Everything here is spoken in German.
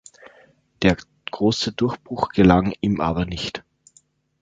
Der große Durchbruch gelang ihm aber nicht.